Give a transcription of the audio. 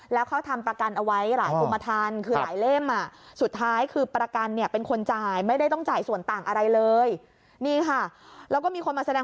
แล้วเขาทำประกันเอาไว้หลายกุมทันคือหลายเล่ม